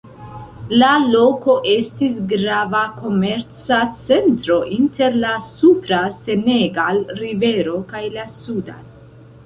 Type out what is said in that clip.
La loko estis grava komerca centro inter la supra Senegal-rivero kaj la Sudan.